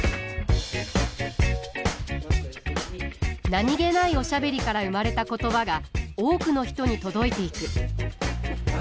何気ないおしゃべりから生まれた言葉が多くの人に届いていく。